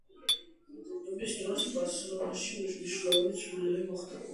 მისი პრეზიდენტობის დროს „ბარსელონაში“ მნიშვნელოვანი ცვლილებები მოხდა.